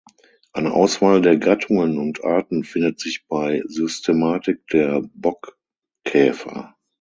Eine Auswahl der Gattungen und Arten findet sich bei Systematik der Bockkäfer.